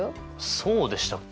そうでしたっけ？